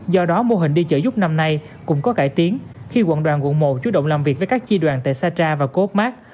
do đó mô hình đi chợ giúp năm nay cũng có cải tiến khi quận đoàn quận một chú động làm việc với các chi đoàn tại satra và coopmart